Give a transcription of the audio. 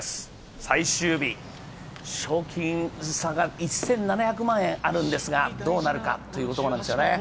最終日、賞金差が１７００万円あるんですがどうなるかということなんですよね。